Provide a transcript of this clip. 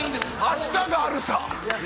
『明日があるさ』！